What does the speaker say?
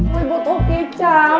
woi buat oke cal